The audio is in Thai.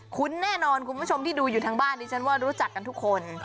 แน่นอนคุณผู้ชมที่ดูอยู่ทางบ้านดิฉันว่ารู้จักกันทุกคน